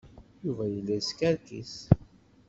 Yuba yella yeskerkis.